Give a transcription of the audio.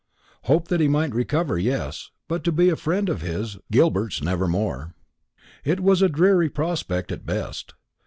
Hope that he might recover, yes; but to be a friend of his, Gilbert's, never more. It was a dreary prospect at best.